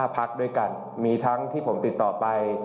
พักด้วยกันมีทั้งที่ผมติดต่อไป